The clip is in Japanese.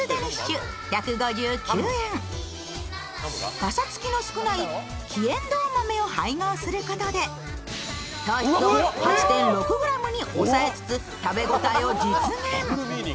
ぱさつきの少ない黄えんどう豆を配合することで糖質を８．６ｇに抑えつつ食べ応えを実現。